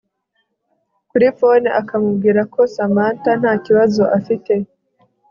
kuri phone akamubwira ko Samantha ntakibazo afite